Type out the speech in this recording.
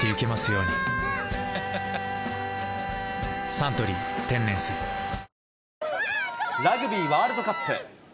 「サントリー天然水」ラグビーワールドカップ。